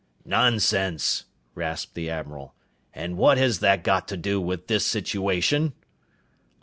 "Nonsense!" rasped the admiral. "And what has that got to do with this situation?"